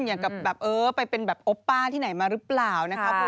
อย่างกับไปเป็นแบบโอปป้าที่ไหนมาหรือเปล่า